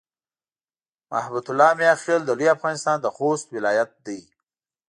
محبت الله "میاخېل" د لوی افغانستان د خوست ولایت دی.